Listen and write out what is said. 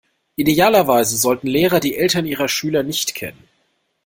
Idealerweise sollten Lehrer die Eltern ihrer Schüler nicht kennen.